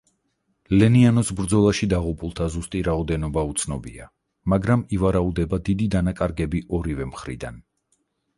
ლენიანოს ბრძოლაში დაღუპულთა ზუსტი რაოდენობა უცნობია, მაგრამ ივარაუდება დიდი დანაკარგები ორივე მხრიდან.